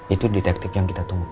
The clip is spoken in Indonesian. itu detektif yang kita tunggu